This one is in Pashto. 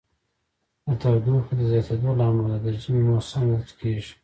د تودوخې د زیاتیدو له امله د ژمی موسم اوږد کیږي.